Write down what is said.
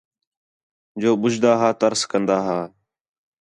جو ٻُجھدا ہا ترس کندا ہا